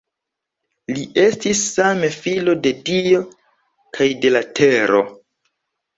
Li estis same filo de dio kaj de la tero.